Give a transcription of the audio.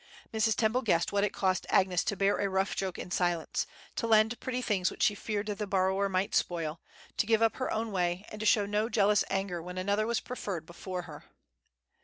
Mrs. Temple guessed what it cost Agnes to bear a rough joke in silence, to lend pretty things which she feared that the borrower might spoil, to give up her own way, and to show no jealous anger when another was preferred before her.